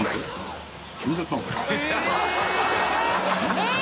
えっ！